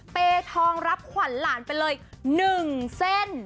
เปทองรับขวัญหลานไปเลย๑เส้น